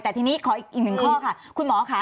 แต่ทีนี้ขออีกหนึ่งข้อค่ะคุณหมอค่ะ